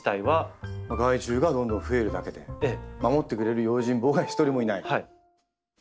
害虫がどんどんふえるだけで守ってくれる用心棒が一人もいない。